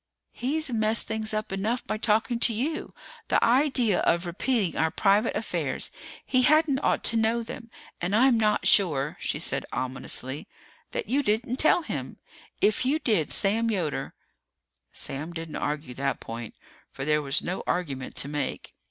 "He's messed things up enough by talking to you! The idea of repeating our private affairs! He hadn't ought to know them! And I'm not sure," she said ominously, "that you didn't tell him! If you did, Sam Yoder " Sam didn't argue that point, for there was no argument to make.